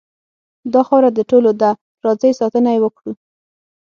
داخاوره دټولو ډ ه ده راځئ ساتنه یې وکړو .